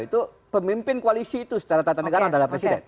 itu pemimpin koalisi itu secara tata negara adalah presiden